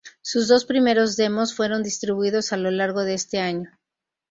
Sus dos primeros demos fueron distribuidos a lo largo de este año.